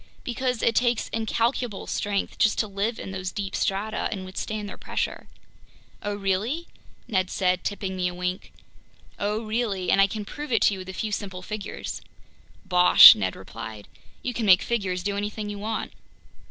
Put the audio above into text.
"Because it takes incalculable strength just to live in those deep strata and withstand their pressure." "Oh really?" Ned said, tipping me a wink. "Oh really, and I can prove it to you with a few simple figures." "Bosh!" Ned replied. "You can make figures do anything you want!"